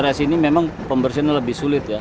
di daerah sini memang pembersihannya lebih sulit ya